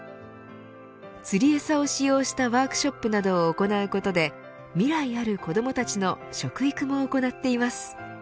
釣りえさを使用したワークショップなどを行うことで未来ある子どもたちの食育も行っています。